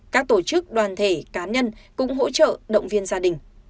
các tổ chức đoàn thể cá nhân cũng hỗ trợ động viên gia đình